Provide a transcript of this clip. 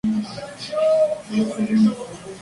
El turismo es el principal motor de la economía local.